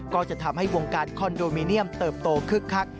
ก็จะทำให้วงการคอนโดมิเนียมเติบโตคึกคัก